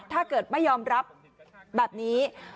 ถ้าเกิดไม่ยอมรับแบบนี้